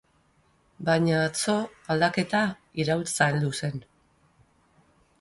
Baina atzo aldaketa, iraultza heldu zen.